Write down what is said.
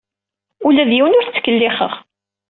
Ula d yiwen ur t-ttkellixeɣ.